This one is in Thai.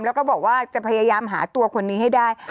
แล้วก็บอกว่าจะพยายามหาตัวคนนี้ให้ได้